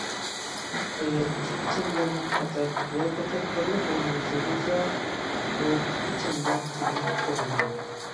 ئەگەر ئىككى چەمبەرنىڭ پەقەت ۋە پەقەت بىرلا ئۇرۇنمىسى بولسا، بۇ ئىككى چەمبەر ئىچىدىن ئۇرۇنىدۇ.